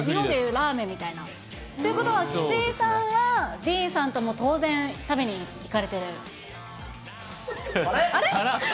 ラーメンみたいな？ということは、岸井さんはディーンさんとも当然、食べに行かれてあれ？